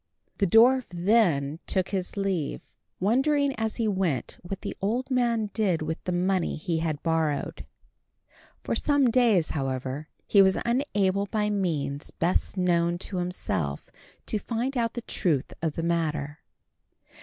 The dwarf then took his leave, wondering as he went what the old man did with the money he had borrowed. After some days, however, he was able by means best known to himself to find out the truth of the matter.